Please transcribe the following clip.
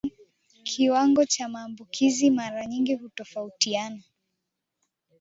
Kiwango cha maambukizi mara nyingi hutofautiana